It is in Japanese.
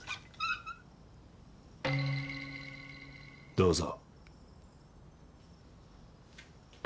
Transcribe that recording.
どうぞ。